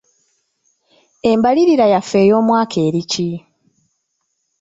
Embalirira yaffe ey'omwaka eri ki?